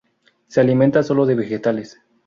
Se alimenta solo de vegetales.